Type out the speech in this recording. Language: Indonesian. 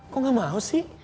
kok gak mau sih